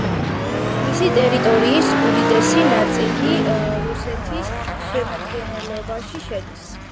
მისი ტერიტორიის უდიდესი ნაწილი რუსეთის შემადგენლობაში შედის.